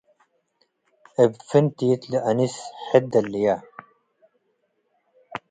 እብ ፍንቲት ለአንስ ሕድ ደልየ ።